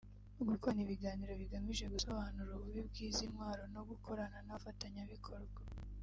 gukorana ibiganiro bigamije gusobanura ububi bw’izi ntwaro no gukorana n’abafatanyabikorwa